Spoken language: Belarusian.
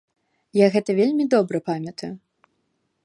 Я гэта вельмі добра памятаю.